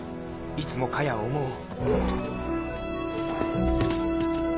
いつもカヤを思おう。